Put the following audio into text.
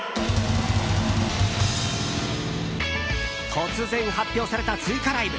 突然発表された追加ライブ。